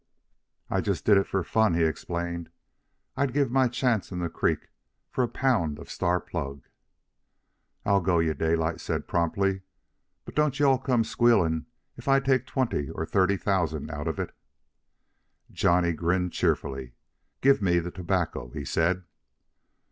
"I just did it for fun," he explained. "I'd give my chance in the creek for a pound of Star plug." "I'll go you," Daylight said promptly. "But don't you all come squealing if I take twenty or thirty thousand out of it." Johnny grinned cheerfully. "Gimme the tobacco," he said.